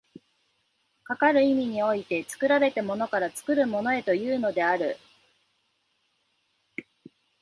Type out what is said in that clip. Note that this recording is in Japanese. かかる意味において、作られたものから作るものへというのである。